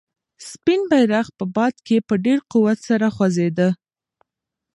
سپین بیرغ په باد کې په ډېر قوت سره غوځېده.